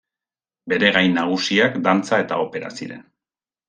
Bere gai nagusiak dantza eta opera ziren.